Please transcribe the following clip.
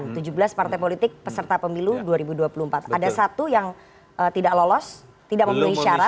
tujuh belas partai politik peserta pemilu dua ribu dua puluh empat ada satu yang tidak lolos tidak memenuhi syarat